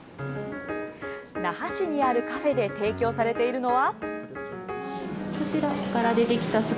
那覇市にあるカフェで提供されているのは。